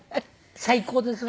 最高ですわ。